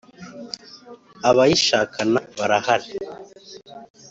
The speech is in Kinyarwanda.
Abayishakana barahari.